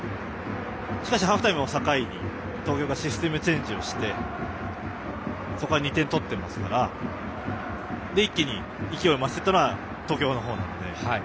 しかし、ハーフタイムを境に東京がシステムチェンジをしてそこから２点取って一気に勢いを増したのは東京の方なので。